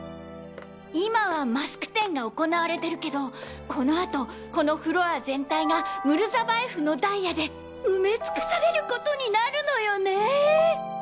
今はマスク展が行われてるけどこの後このフロア全体がムルザバエフのダイヤで埋め尽くされることになるのよね。